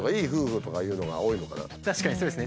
確かにそうですね。